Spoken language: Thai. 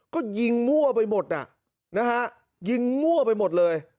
ก็ยิงมั่วไปหมดน่ะยิงมั่วไปหมด